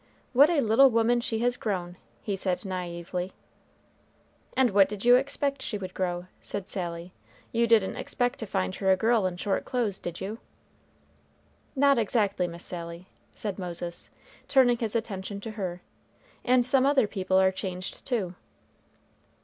"What a little woman she has grown!" he said, naïvely. "And what did you expect she would grow?" said Sally. "You didn't expect to find her a girl in short clothes, did you?" "Not exactly, Miss Sally," said Moses, turning his attention to her; "and some other people are changed too."